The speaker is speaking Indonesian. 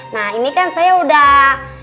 nah ini kan saya udah